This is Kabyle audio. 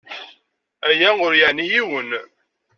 Aya ur yeɛni yiwen.